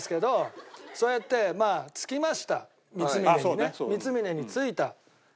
そうやってまあ着きました三峯にね。